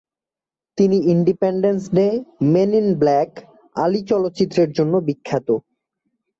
তিনি Independence Day, Men in Black, Ali চলচ্চিত্রের জন্য বিখ্যাত।